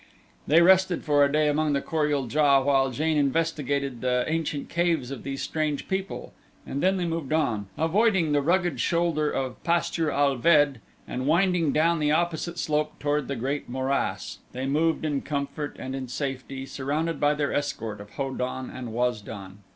They rested for a day among the Kor ul JA while Jane investigated the ancient caves of these strange people and then they moved on, avoiding the rugged shoulder of Pastar ul ved and winding down the opposite slope toward the great morass. They moved in comfort and in safety, surrounded by their escort of Ho don and Waz don.